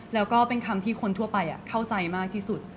แล้วก็เป็นคำที่คนทั่วไปเข้าใจมากที่สุด